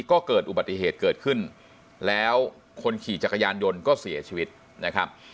ก็เกิดอุบัติเหตุเกิดขึ้นแล้วคนขี่จักรยานยนต์ก็เสียชีวิตนะครับ